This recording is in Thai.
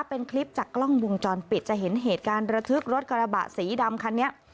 เป็นคลิปจากกล้องวงจรปิดจะเห็นเหตุการณ์ระทึกรถกระบะสีดำคันนี้